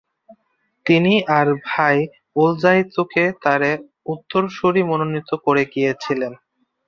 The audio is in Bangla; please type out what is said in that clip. তিনি তার ভাই ওলজাইতুকে তার উত্তরসূরি মনোনীত করে গিয়েছিলেন।